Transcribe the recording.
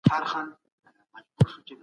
د بدلونونو منفي اړخونه باید هیر نه سي.